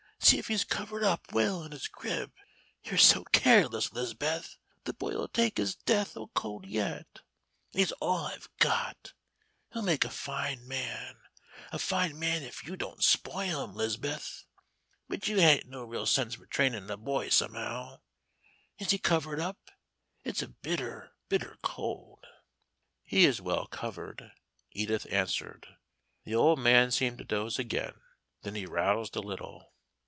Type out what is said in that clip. See if he's covered up well in his crib. You're so careless, 'Lis'beth, the boy'll take his death o' cold yet. And he's all I've got. He'll make a fine man, a fine man if you don't spoil him, 'Lis'beth. But you hain't no real sense for trainin' a boy, somehow. Is he covered up? It's bitter, bitter cold." "He is well covered," Edith answered. The old man seemed to doze again. Then he roused a little.